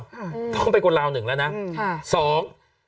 อืมต้องไปก็ราวหนึ่งแล้วนะอืมค่ะสอง